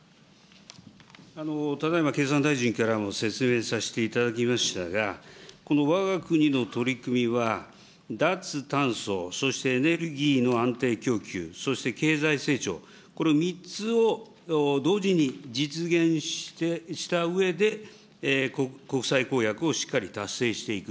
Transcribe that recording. ただいま経産大臣からも説明させていただきましたが、このわが国の取り組みは、脱炭素、そしてエネルギーの安定供給、そして経済成長、３つを同時に実現したうえで、国際公約をしっかり達成していく。